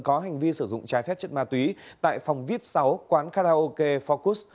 có hành vi sử dụng trái phép chất ma túy tại phòng vip sáu quán karaoke forts